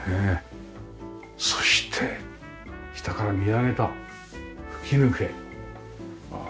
そして下から見上げた吹き抜け。